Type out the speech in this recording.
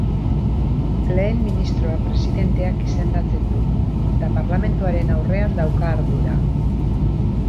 Lehen Ministroa Presidenteak izendatzen du, eta Parlamentuaren aurrean dauka ardura.